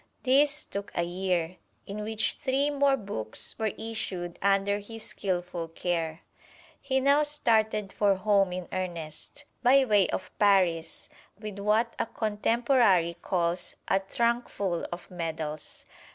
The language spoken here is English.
This took a year, in which three more books were issued under his skilful care. He now started for home in earnest, by way of Paris, with what a contemporary calls "a trunkful of medals."